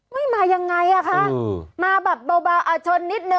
ไม่มายังไงอ่ะคะมาแบบเบาอ่ะชนนิดนึ